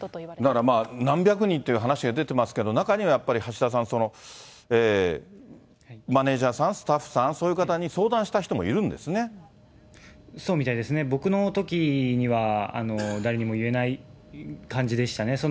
だから何百人という話が出ていますけれども、中にはやっぱり、橋田さん、マネージャーさん、スタッフさん、そういう方に相談しそうみたいですね、僕のときには誰にも言えない感じでしたね。